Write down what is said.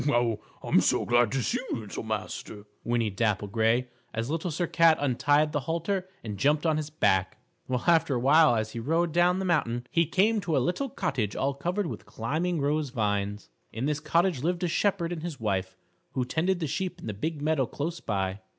"Oh, I'm so glad to see you, little master," whinnied Dapple Gray, as Little Sir Cat untied the halter and jumped on his back. Well, after a while as he rode down the mountain he came to a little cottage all covered with climbing rose vines. In this cottage lived a shepherd and his wife who tended the sheep in the big meadow close by.